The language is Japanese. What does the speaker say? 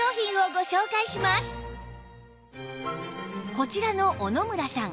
こちらの小野村さん